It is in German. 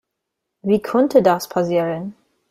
Wie konnte das passieren?